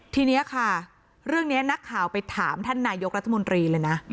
ทีนี้ค่ะเรื่องนี้นักข่าวไปถามท่านนายกรัฐมนตรีเลยนะ